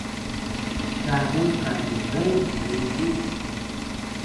Chakun kanubeñ nuutii.